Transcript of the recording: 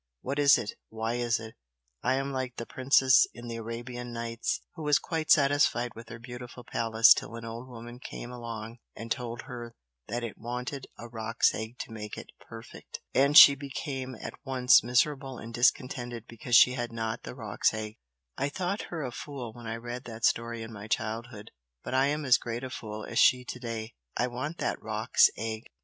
What is it? Why is it? I am like the princess in the 'Arabian Nights' who was quite satisfied with her beautiful palace till an old woman came along and told her that it wanted a roc's egg to make it perfect. And she became at once miserable and discontented because she had not the roc's egg! I thought her a fool when I read that story in my childhood but I am as great a fool as she to day. I want that roc's egg!"